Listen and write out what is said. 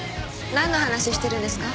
何の話してるんですか？